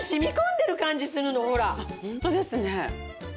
ホントですね。